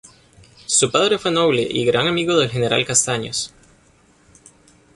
Su padre fue noble y gran amigo del general Castaños.